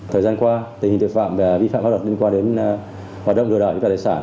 thời gian qua tình hình tội phạm và vi phạm hoạt động liên quan đến hoạt động lừa đảo chiếm đoạt tài sản